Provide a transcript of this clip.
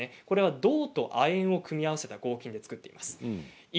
銅と亜鉛を組み合わせた合金で作っています。